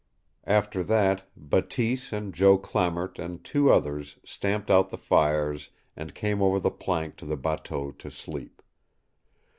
After that, Bateese and Joe Clamart and two others stamped out the fires and came over the plank to the bateau to sleep.